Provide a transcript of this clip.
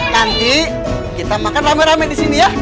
nanti kita makan ramen ramen di sini ya